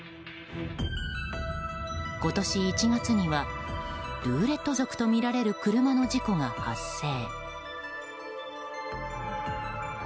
今年１月にはルーレット族とみられる車の事故が発生。